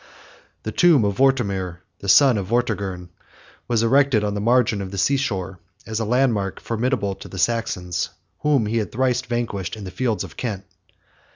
The tomb of Vortimer, the son of Vortigern, was erected on the margin of the sea shore, as a landmark formidable to the Saxons, whom he had thrice vanquished in the fields of Kent.